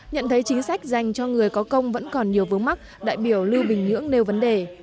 nhận thấy chính sách dành cho người có công vẫn còn nhiều vướng mắt đại biểu lưu bình nhưỡng nêu vấn đề